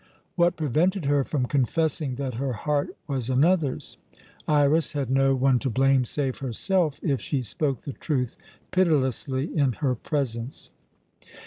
What prevented her from confessing that her heart was another's? Iras had no one to blame save herself if she spoke the truth pitilessly in her presence.